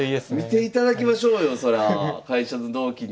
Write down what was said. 見ていただきましょうよそら会社の同期に。